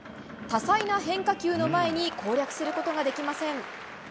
多彩な変化球の前に攻略することができません。